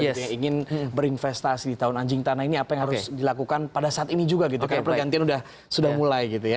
gitu ya ingin berinvestasi di tahun anjing tanah ini apa yang harus dilakukan pada saat ini juga gitu karena pergantian sudah mulai gitu ya